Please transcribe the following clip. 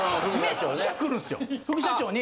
副社長に。